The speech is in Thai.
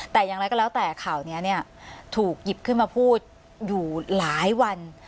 แต่อย่างไรก็แล้วแต่ข่าวนี้เนี่ยถูกหยิบขึ้นมาพูดอยู่หลายวัน